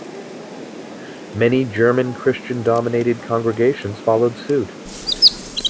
Many German Christian-dominated congregations followed suit.